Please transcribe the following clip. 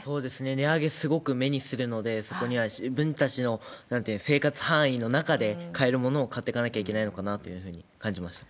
値上げ、すごく目にするので、そこには自分たちの生活範囲の中で買えるものを買ってかなきゃいけないのかなっていうふうに感じました。